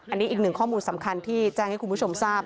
อันนี้อีกหนึ่งข้อมูลสำคัญที่แจ้งให้คุณผู้ชมทราบ